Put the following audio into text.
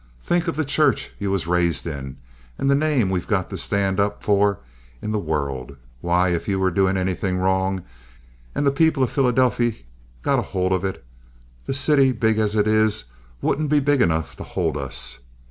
Think of the church ye was raised in, and the name we've got to stand up for in the world. Why, if ye were doin' anything wrong, and the people of Philadelphy got a hold of it, the city, big as it is, wouldn't be big enough to hold us.